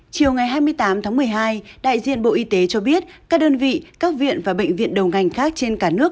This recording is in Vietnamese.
chiều ngày hai mươi tám tháng một mươi hai đại diện bộ y tế cho biết các đơn vị các viện và bệnh viện đầu ngành khác trên cả nước